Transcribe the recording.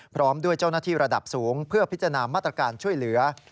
พร้อมด้วยเจ้าหน้าที่ระดับสูงเพื่อพิจารณามาตรการช่วยเหลือ